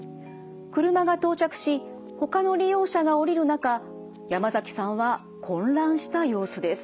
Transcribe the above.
車が到着しほかの利用者が降りる中山崎さんは混乱した様子です。